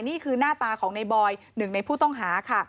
นี่คือหน้าตาของในบอยหนึ่งในผู้ต้องหาค่ะ